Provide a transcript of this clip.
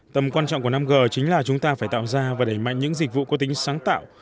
tầm quan trọng của năm g chính là chúng ta phải tạo ra và đẩy mạnh những dịch vụ có tính sáng tạo